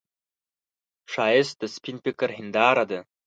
ښایست د سپين فکر هنداره ده